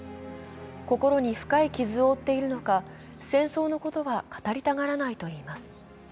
心に深い傷を負っているのか、戦争のことは語りたがらないといいます。